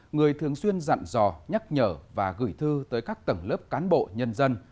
người thường xuyên dặn dò nhắc nhở và gửi thư tới các tầng lớp cán bộ nhân dân